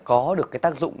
có được cái tác dụng